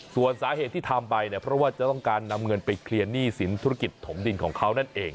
ส่วนสาเหตุที่ทำไปเนี่ยเพราะว่าจะต้องการนำเงินไปเคลียร์หนี้สินธุรกิจถมดินของเขานั่นเอง